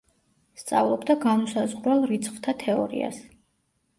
სწავლობდა განუსაზღვრელ რიცხვთა თეორიას.